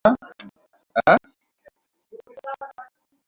তিনি তিন বছর বয়স থেকেই পড়তে পারতেন।